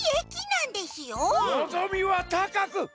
のぞみはたかく！